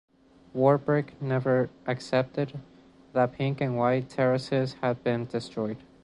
Warbrick never accepted that the Pink and White Terraces had been destroyed.